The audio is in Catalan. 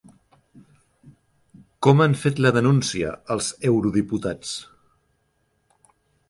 Com han fet la denúncia els eurodiputats?